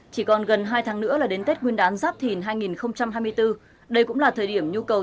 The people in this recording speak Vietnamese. chỉ còn gần hai tháng nữa là đến tết nguyên đán giáp thìn hai nghìn hai mươi bốn đây cũng là thời điểm nhu cầu